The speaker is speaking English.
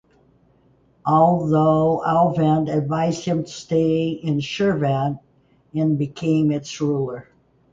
Although Alvand advised him to stay in Shirvan and became its ruler.